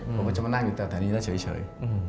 ผมก็จะมานั่งอยู่แถวนี้แล้วเฉย